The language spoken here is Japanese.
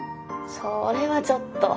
それはちょっと。